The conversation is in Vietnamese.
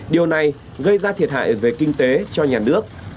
điều này gây ra thiệt hại về kinh tế cho nhà nước